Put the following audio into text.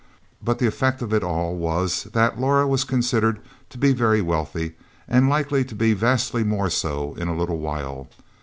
But the effect of it all was, that Laura was considered to be very wealthy and likely to be vastly more so in a little while.